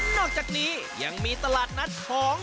อกจากนี้ยังมีตลาดนัดของ